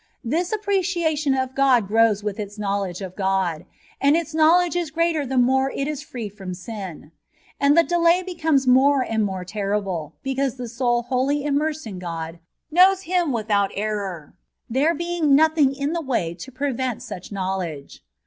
This appre ciation of God grows with its knowledge of God ; and its knowledge is greater the more it is free from sin; and the delay becomes more and more terrible, because the soul, whoUy immersed in God, knows Him without error, there being nothing in the way to prevent such knowledge.